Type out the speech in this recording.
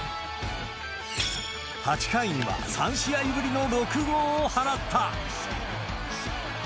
８回には３試合ぶりの６号を放った。